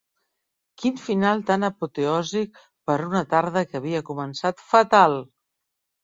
Quin final tan apoteòsic per a una tarda que havia començat fatal!